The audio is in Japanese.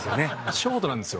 ショートなんですよ。